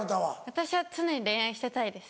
私は常に恋愛してたいです。